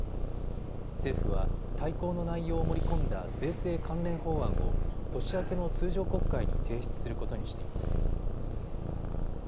政府は大綱の内容を盛り込んだ税制関連法案を年明けの通常国会に提出することにしています。